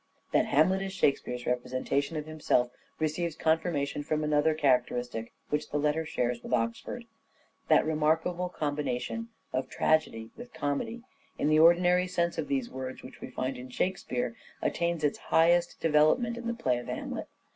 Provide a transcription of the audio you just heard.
That Hamlet is Shakespeare's representation of himself receives confirmation from another character istic which the latter shares with Oxford. That remarkable combination of tragedy with comedy, in the ordinary sense of these words, which we find in Shakespeare attains its highest development in the play of " Hamlet."